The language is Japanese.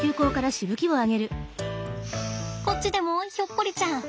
こっちでもひょっこりちゃん。